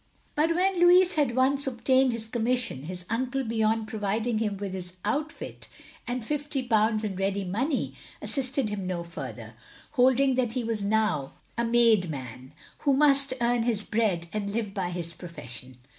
But when Louis had once obtained his com mission, his uncle, beyond providing him with his outfit and fifty potinds in ready money, assisted him no further, holding that he was now a made man, who must earn his bread and live by his profession.